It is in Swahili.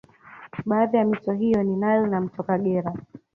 Baadhi ya mito hiyo ni Nile na mto Kagera